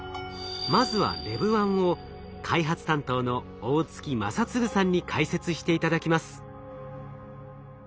まずはＬＥＶ−１を開発担当の大槻真嗣さんに解説して頂きます。